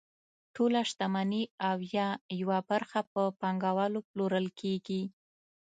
ټوله شتمني او یا یوه برخه په پانګوالو پلورل کیږي.